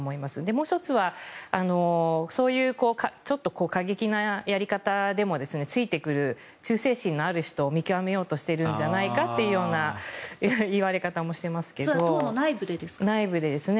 もう１つはそういう過激なやり方でもついてくる忠誠心のある人を見極めようとしているんじゃないかというそれは党の内部でですか？